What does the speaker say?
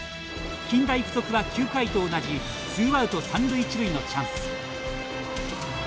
近大付属は９回と同じツーアウト、三塁一塁のチャンス。